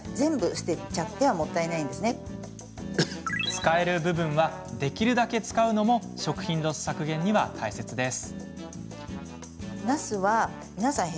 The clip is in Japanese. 使える部分はできるだけ使うのも食品ロス削減には大切です。